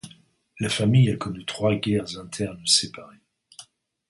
La famille a connu trois guerres internes séparées.